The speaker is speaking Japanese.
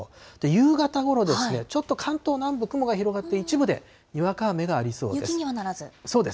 夕方ごろですね、ちょっと関東南部、雲が広がって、一部でにわか雨がありそうです。